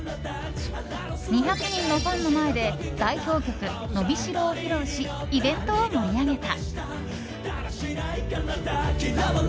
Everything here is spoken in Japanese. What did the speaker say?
２００人のファンの前で代表曲「のびしろ」を披露しイベントを盛り上げた。